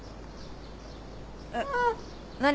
えっ何？